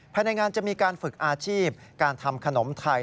ภายในงานจะมีการฝึกอาชีพการทำขนมไทย